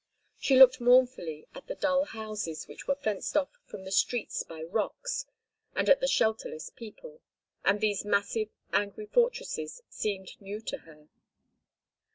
She looked mournfully at the dull houses which were fenced off from the streets by rocks, and at the shelterless people—and these massive, angry fortresses seemed new to her.